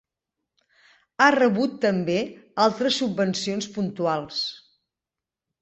Ha rebut també altres subvencions puntuals.